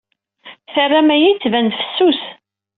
Terram aya yettban-d fessus.